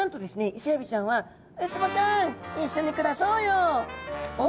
イセエビちゃんは「ウツボちゃんいっしょに暮らそうよ」。